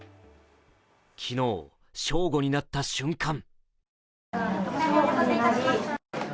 昨日、正午になった瞬間